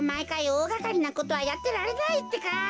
おおがかりなことはやってられないってか。